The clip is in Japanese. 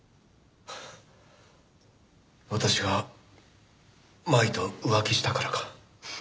私が麻衣と浮気したからか。